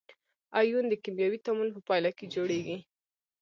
ایون د کیمیاوي تعامل په پایله کې جوړیږي.